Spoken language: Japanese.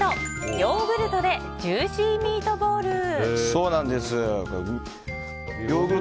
ヨーグルトでジューシーミートボール！